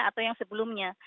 atau yang sebelumnya